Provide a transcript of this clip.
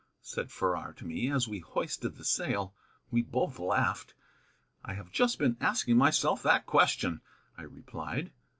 said Farrar to me, as we hoisted the sail. We both laughed. "I have just been asking myself that question," I replied.